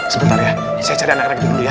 sebentar ya saya cari anak anak dulu ya